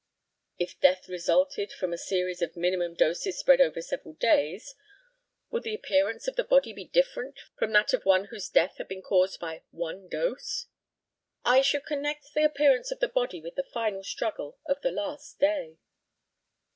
If death resulted from a series of minimum doses spread over several days, would the appearance of the body be different from that of one whose death had been caused by one dose? I should connect the appearance of the body with the final struggle of the last day.